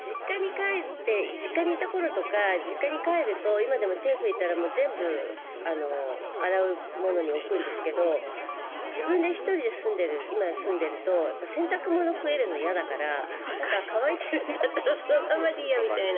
実家にいた頃とか実家に帰ると今でも手を拭いたら全部洗うものに置くんですけど自分で１人で住んでいると洗濯物が増えるのが嫌だから乾いているんだったらそのままでいいやみたいな。